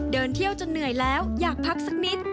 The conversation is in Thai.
เดินเที่ยวจนเหนื่อยแล้วอยากพักสักนิด